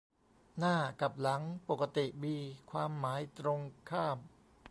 "หน้า" กับ "หลัง" ปกติมีความหมายตรงข้าม